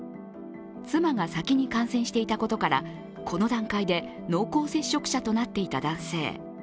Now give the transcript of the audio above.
妻が先に感染していたことからこの段階で濃厚接触者となっていた男性。